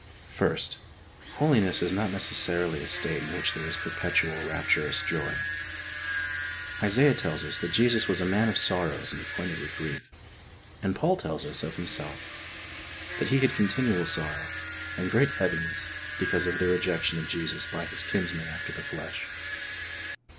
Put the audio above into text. F irst. Holiness is not necessaiily a state m which there is perpetual^ rapturous joy. Isaiah tells us that Jesus was "a man of sorrows and acquainted with grief," and Paul tells us of himself that he had con tinual sorrow and great heaviness because of the rejection of Jesus by his kinsmen after the flesh.